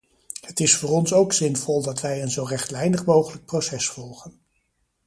Het is voor ons ook zinvol dat wij een zo rechtlijnig mogelijk proces volgen.